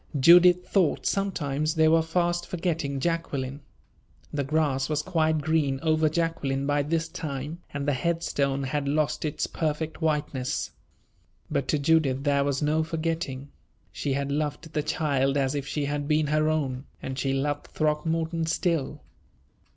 Judith thought sometimes they were fast forgetting Jacqueline. The grass was quite green over Jacqueline by this time, and the head stone had lost its perfect whiteness. But to Judith there was no forgetting. She had loved the child as if she had been her own, and she loved Throckmorton still.